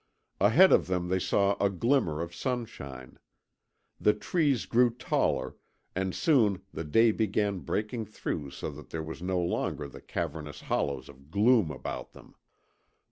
Ahead of them they saw a glimmer of sunshine. The trees grew taller, and soon the day began breaking through so that there were no longer the cavernous hollows of gloom about them.